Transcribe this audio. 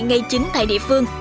ngay chính tại địa phương